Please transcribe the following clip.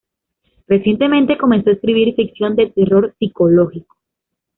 Recientemente comenzó a escribir ficción de terror psicológico.